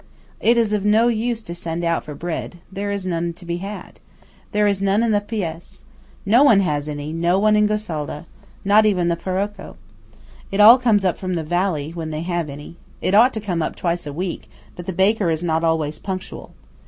It is of no use to send out for bread. There is none to be had. There is none in the "paese." No one has any–no one in Gosalda. Not even the paroco. It all comes up from the valley–when they have any. It ought to come up twice a week; but the baker is not always punctual.